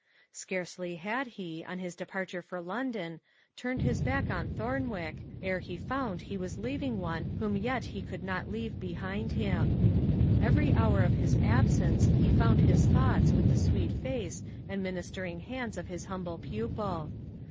Scarcely had he, on his departure for London, turned his back on Thornwick, ere he found he was leaving one whom yet he could not leave behind him. Every hour of his absence he found his thoughts with the sweet face and ministering hands of his humble pupil.